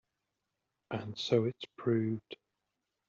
And so it proved.